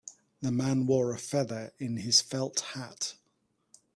The man wore a feather in his felt hat.